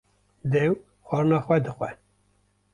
Dêw xwarina xwe dixwe